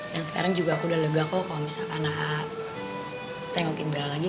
dan sekarang juga aku udah lega kok kalau misalkan anak a tengokin bella lagi